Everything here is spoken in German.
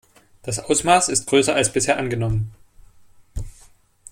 Das Ausmaß ist größer als bisher angenommen.